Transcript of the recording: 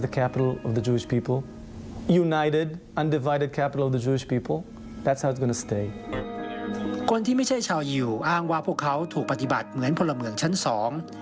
คนที่ไม่ใช่ชาวยิวอ้างว่าพวกเขาถูกปฏิบัติเหมือนพลเมืองชั้นสอง